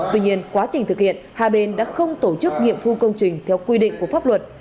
tuy nhiên quá trình thực hiện hai bên đã không tổ chức nghiệm thu công trình theo quy định của pháp luật